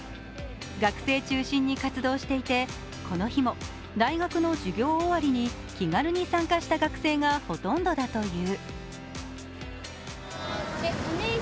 学生中心に活動していて、この日も大学の授業終わりに気軽に参加した学生がほとんどだという。